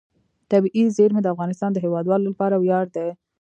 طبیعي زیرمې د افغانستان د هیوادوالو لپاره ویاړ دی.